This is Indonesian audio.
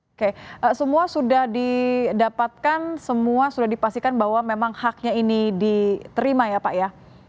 oke semua sudah didapatkan semua sudah dipastikan bahwa memang haknya ini diterima ya pak ya